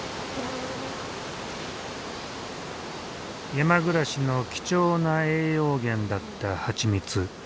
山暮らしの貴重な栄養源だった蜂蜜。